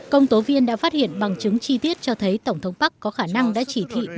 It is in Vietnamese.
công tố viên đã phát hiện bằng chứng chi tiết cho thấy tổng thống park có khả năng đã chỉ thị